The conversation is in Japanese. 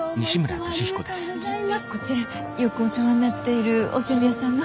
こちらよくお世話になっているお煎餅屋さんの。